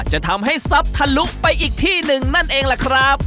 จะทำให้ทรัพย์ทะลุไปอีกที่หนึ่งนั่นเองล่ะครับ